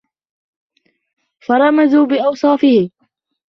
فَرَمَزُوا بِأَوْصَافِهِ